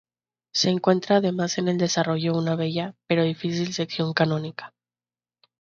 Se encuentra además en el desarrollo una bella pero difícil sección canónica.